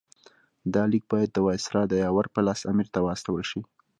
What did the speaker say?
دا لیک باید د وایسرا د یاور په لاس امیر ته واستول شي.